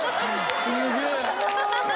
すげえ。